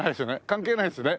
関係ないですね？